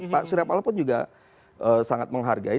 pak suryapala pun juga sangat menghargai